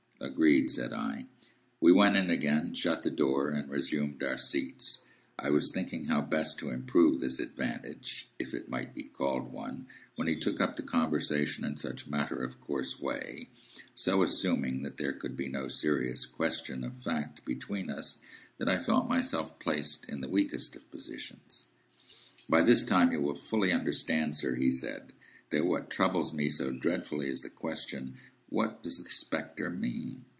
"Agreed," said I. We went in again, shut the door, and resumed our seats. I was thinking how best to improve this advantage, if it might be called one, when he took up the conversation in such a matter of course way, so assuming that there could be no serious question of fact between us, that I felt myself placed in the weakest of positions. "By this time you will fully understand, sir," he said, "that what troubles me so dreadfully is the question, What does the spectre mean?"